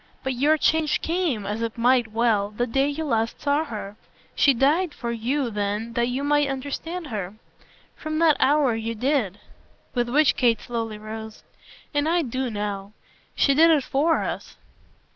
But your change came as it might well the day you last saw her; she died for you then that you might understand her. From that hour you DID." With which Kate slowly rose. "And I do now. She did it FOR us."